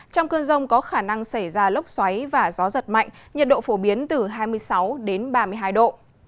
trong cơn rông có khả năng xảy ra lốc xoáy và gió giật mạnh nhiệt độ phổ biến từ hai mươi sáu đến ba mươi hai độ